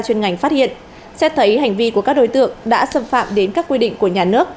chuyên ngành phát hiện xét thấy hành vi của các đối tượng đã xâm phạm đến các quy định của nhà nước